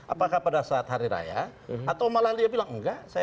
apakah pada saat hari raya atau malah dia bilang enggak saya lepas ini